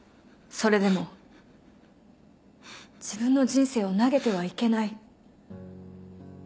それでも自分の人生を投げてはいけない。